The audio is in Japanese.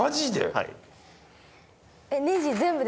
はい。